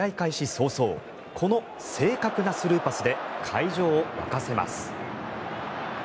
早々この正確なスルーパスで会場を沸かせます。